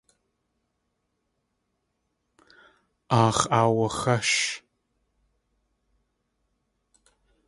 Aax̲ aawaxásh.